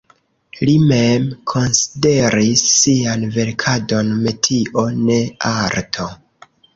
Li mem konsideris sian verkadon metio, ne arto.